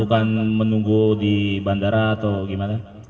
bukan menunggu di bandara atau gimana